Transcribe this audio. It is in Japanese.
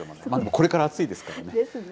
これから暑いですからね。